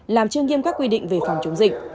làm chương nghiêm các quy định về phòng chống dịch